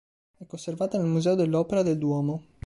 È conservata nel Museo dell'Opera del Duomo.